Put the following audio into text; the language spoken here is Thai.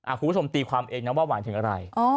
คุณผู้ชมตีความเองนะว่าหมายถึงอะไร